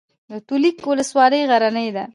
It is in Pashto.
د تولک ولسوالۍ غرنۍ ده